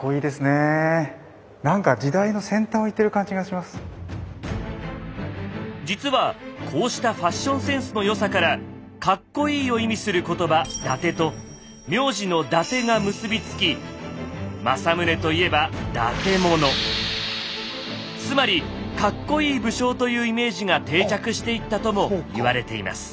いや政宗公実はこうしたファッションセンスの良さからカッコいいを意味する言葉「だて」と苗字の「伊達」が結び付き政宗と言えば「伊達者」つまりカッコいい武将というイメージが定着していったとも言われています。